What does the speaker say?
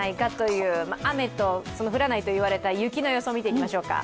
雨と降らないといわれた雪の予想を見てみましょうか。